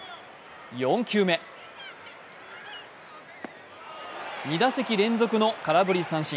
４球目、２打席連続の空振り三振。